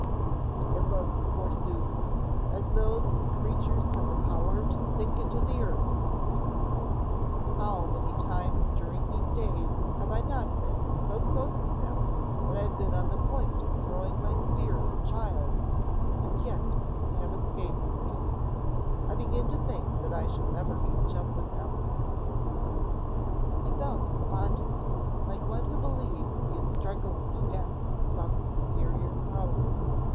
"It looks, forsooth, as though these creatures had the power to sink into the earth," he grumbled. "How many times during these days have I not been so close to them that I've been on the point of throwing my spear at the child, and yet they have escaped me! I begin to think that I shall never catch up with them." He felt despondent, like one who believes he is struggling against some superior power.